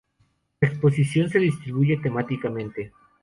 La exposición se distribuye temáticamente.